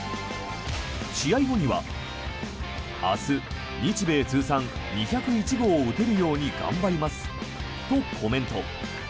試合後には明日、日米通算２０１号を打てるように頑張りますとコメント。